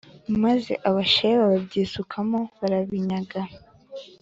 maze Abasheba babyisukamo barabinyaga